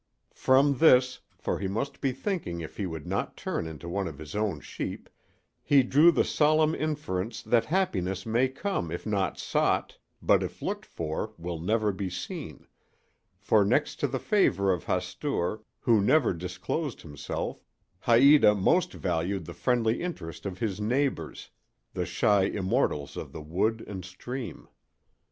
From this—for he must be thinking if he would not turn into one of his own sheep—he drew the solemn inference that happiness may come if not sought, but if looked for will never be seen; for next to the favor of Hastur, who never disclosed himself, Haïta most valued the friendly interest of his neighbors, the shy immortals of the wood and stream.